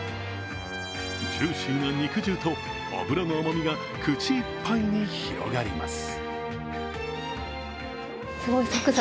ジューシーな肉汁と脂の甘みが口いっぱいに広がります。